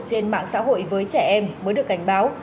trên mạng xã hội với trẻ em mới được cảnh báo